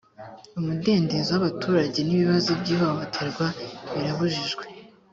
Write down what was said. umudendezo w ‘abaturage n’ibibazo by ‘ihohoterwa birabujijwe.